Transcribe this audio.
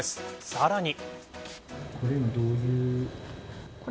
さらに。